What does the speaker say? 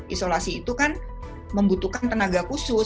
isolasi itu kan membutuhkan tenaga khusus